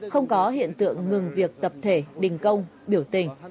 không có hiện tượng ngừng việc tập thể đình công biểu tình